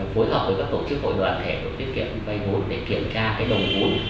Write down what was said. phối hợp với các tổ chức hội đoàn thể tiết kiệm vay vốn để kiểm tra cái đồng vốn